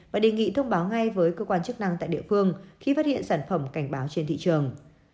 và đề nghị thông báo ngay với cơ quan chức năng tại địa phương khi phát hiện sản phẩm cảnh báo trên thị trường